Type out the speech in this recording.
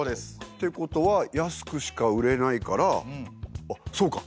ってことは安くしか売れないからあっそうか！